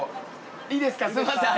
いいですかすいません